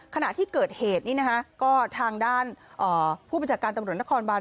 ขณะที่เกิดเหตุนี้นะคะก็ทางด้านผู้บัญชาการตำรวจนครบาน